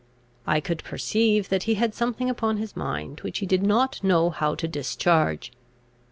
I could perceive that he had something upon his mind, which he did not know how to discharge.